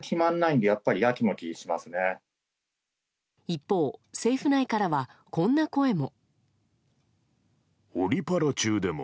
一方、政府内からはこんな声も。